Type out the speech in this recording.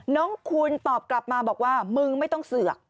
น้องคุณตอบกลับมาบอกว่ามึงไม่ต้องเสือก